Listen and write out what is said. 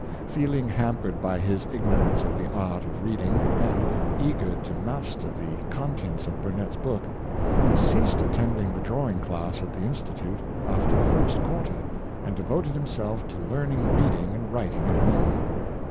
Feeling hampered by his ignorance of the art of reading, and eager to master the contents of Burnet's book, he ceased attending the drawing class at the Institute after the first quarter, and devoted himself to learning reading and writing at home.